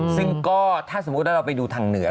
ซึ่งก็ถ้าสมมุติว่าเราไปดูทางเหนือ